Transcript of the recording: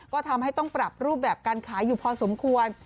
ก็ทำให้ต้องปรับรูปแบบการขายอยู่พอสมควร